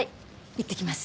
いってきます。